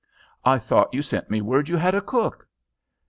"I thought you sent me word you had a cook?"